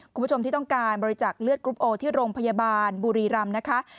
คุณผู้ชมที่ต้องการบริจาคเลือดกรุ๊ปโอที่โรงพยาบาลบุรีรำนะคะ